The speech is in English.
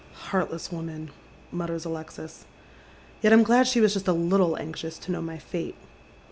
" Heartless woman !" mutters Alexis. " Yet I'm glad she was just a little anxious to know my fate.